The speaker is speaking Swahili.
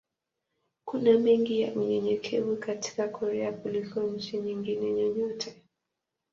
Kuna mengi ya unyenyekevu katika Korea kuliko nchi nyingine yoyote.